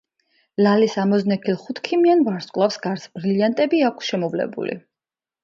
ლალის ამოზნექილ ხუთქიმიან ვარსკვლავს გარს ბრილიანტები აქვს შემოვლებული.